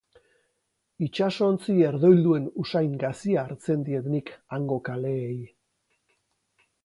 Itsasontzi herdoilduen usain gazia hartzen diet nik hango kaleei.